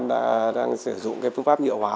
việt nam đang sử dụng phương pháp nhựa hóa